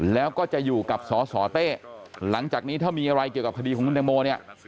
แล้วก็จะอยู่กับสสเต้หลังจากนี้ถ้ามีอะไรเกี่ยวกับคดีของคุณแตงโมเนี่ย